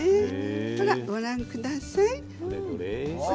ほら、ご覧ください。